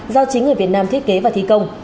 do chính người việt nam thiết kế và thi công